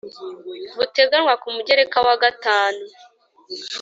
buteganywa ku mugereka wa gatanu